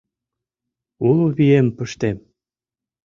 Уло вием пыштем.